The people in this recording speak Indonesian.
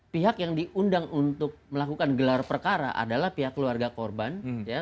pihak yang diundang untuk melakukan gelar perkara adalah pihak keluarga korban